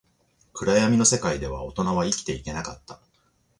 暗闇の世界では、大人は生きていけなかった